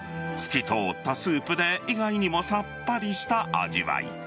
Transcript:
透き通ったスープで意外にもさっぱりした味わい。